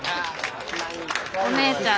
お姉ちゃん